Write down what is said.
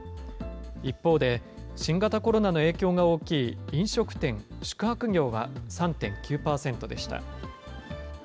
一方で、新型コロナの影響が大きい飲食店・宿泊業は３．９％でした。